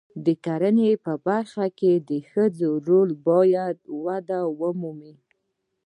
د کرنې په برخه کې د ښځو رول باید وده ومومي.